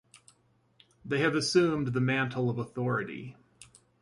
They have assumed the mantle of authority.